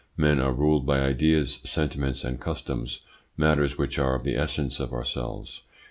Men are ruled by ideas, sentiments, and customs matters which are of the essence of ourselves.